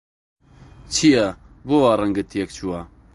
چییە، بۆ وا ڕەنگت تێکچووە؟